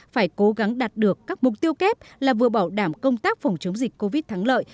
phải cố gắng đạt được các mục tiêu kép là vừa bảo đảm công tác phòng chống dịch covid thắng lợi